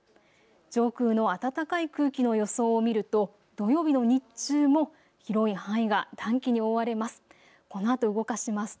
上空の暖かい空気の予想を見ると土曜日の日中も広い範囲が暖気に覆われます。